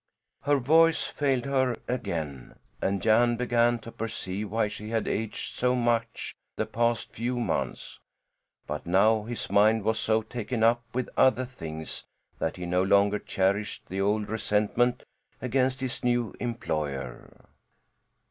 Her voice failed her again, and Jan began to perceive why she had aged so much the past few months; but now his mind was so taken up with other things that he no longer cherished the old resentment against his new employer.